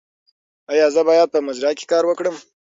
ایا زه باید په مزرعه کې کار وکړم؟